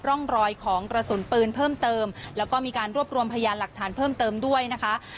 ร่องรอยของกระสุนปืนเพิ่มเติมแล้วก็มีการรวบรวมพยานหลักฐานเพิ่มเติมด้วยนะคะ